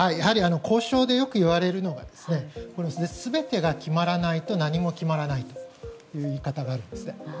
交渉でよく言われるのが全てが決まらないと何も決まらないという言い方があるんですね。